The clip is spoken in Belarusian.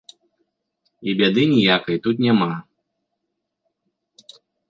І бяды ніякай тут няма.